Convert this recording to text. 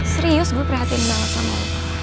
serius gue prihatin banget sama lo